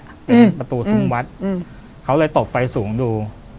เป็นประตูซุ้มวัดเขาเลยตบไฟสูงดู